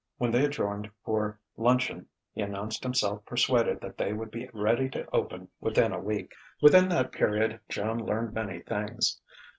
When they adjourned for luncheon he announced himself persuaded that they would be ready to "open" within a week. Within that period Joan learned many things.